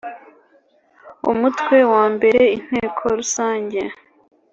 Umutwe wa mbere Inteko rusange